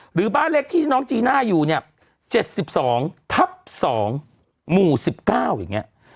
หรือบ้านเลขที่น้องจีน่าอยู่เนี่ย๗๒ทับ๒หมู่๑๙อย่างนี้